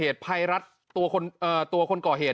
ตัวคนก่อเหตุ